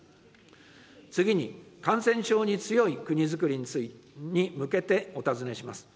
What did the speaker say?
次に、感染症に強い国づくりに向けてお尋ねします。